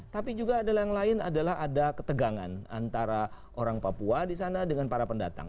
tapi juga yang lain adalah ada ketegangan antara orang papua di sana dengan para pendatang